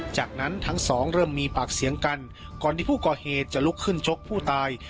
จากนั้นทั้งสองเริ่มมีปากเสียงกันก่อนที่ผู้ก่อเหตุจะลุกขึ้นชกผู้ตาย